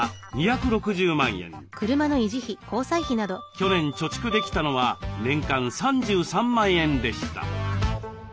去年貯蓄できたのは年間３３万円でした。